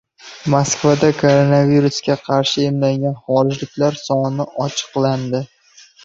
Moskvada koronavirusga qarshi emlangan xorijliklar soni ochiqlandi